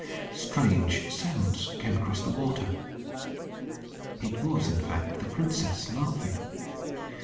Strange sounds came across the water. It was, in fact, the princess laughing.